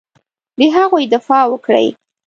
د هغوی دفاع وکړي.